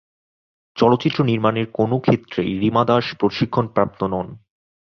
চলচ্চিত্র নির্মাণের কোনও ক্ষেত্রেই রিমা দাস প্রশিক্ষণপ্রাপ্ত নন।